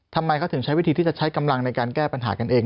ทำไมเขาถึงใช้วิธีที่จะใช้กำลังในการแก้ปัญหากันเอง